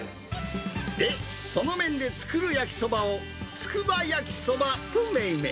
で、その麺で作る焼きそばをつくば焼きそばと命名。